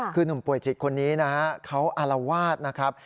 คือหนุ่มป่วยจิตคนนี้นะฮะเขาอารวาสนะครับ